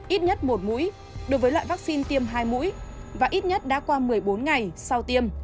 ít nhất một mũi đối với loại vaccine tiêm hai mũi và ít nhất đã qua một mươi bốn ngày sau tiêm